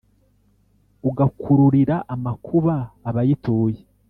ugakururira amakuba abayituye;